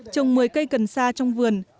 trồng một mươi cây cần sa trong vườn